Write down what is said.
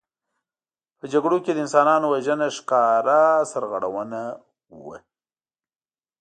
په جګړو کې د انسانانو وژنه ښکاره سرغړونه وه.